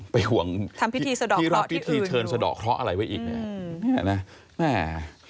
ไปห่วงที่รอบพิธีเชิญสะดอกเคราะห์อะไรไว้อีกนี่แหละนะแม่ทำพิธีสะดอกเคราะห์ที่อื่น